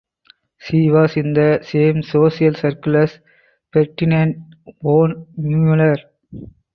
She was in the same social circle as Ferdinand von Mueller.